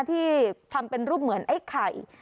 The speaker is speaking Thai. ที่ทำเป็นรูปเหมือนไอ้ไข่